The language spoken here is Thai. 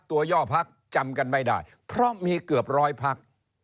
ย่อพักจำกันไม่ได้เพราะมีเกือบร้อยพัก